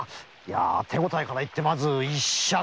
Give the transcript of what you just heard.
手応えからいってまず一尺。